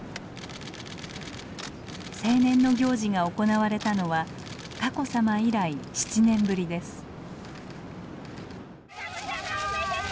成年の行事が行われたのは佳子さま以来７年ぶりです。